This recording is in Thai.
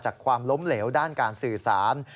ความล้มเหลวด้านการสื่อสาร